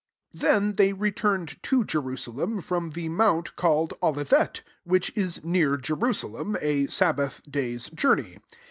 12 Then they returned to Je rusalem from the mount called Olivet, which is near Jerusa lem, a sabbath day's journey.